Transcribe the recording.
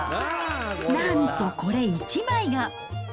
なんとこれ１枚が。